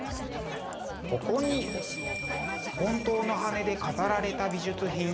ここに本当の羽で飾られた美術品。